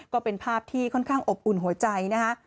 ก็เป็นภาพที่ค่อนข้างอบอุ่นหัวใจนะคะ